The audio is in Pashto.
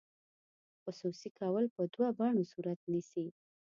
خصوصي کول په دوه بڼو صورت نیسي.